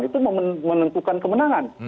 itu menentukan kemenangan